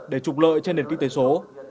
để trục lợi trên nền kinh tế số